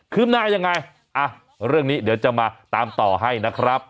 ืบหน้ายังไงอ่ะเรื่องนี้เดี๋ยวจะมาตามต่อให้นะครับ